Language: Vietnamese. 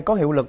có hiệu lực